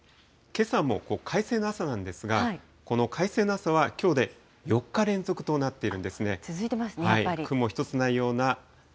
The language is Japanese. けさも快晴の朝なんですが、この快晴の朝はきょうで４日連続となっているんですね。